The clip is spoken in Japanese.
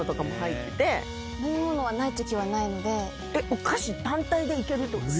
お菓子単体でいけるってこと？